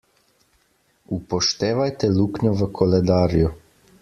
Upoštevajte luknjo v koledarju.